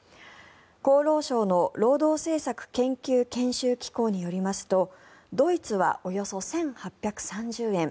厚労省の労働政策研究・研修機構によりますとドイツはおよそ１８３０円。